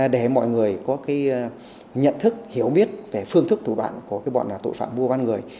để mọi người có nhận thức hiểu biết về phương thức thủ đoạn của bọn tội phạm mua bán người